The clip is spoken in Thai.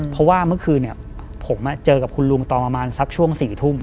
เพราะว่าเมื่อคืนผมเจอกับคุณลุงตอนประมาณสักช่วง๔ทุ่ม